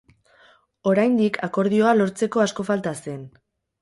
Oraindik akordioa lortzeko asko falta zen.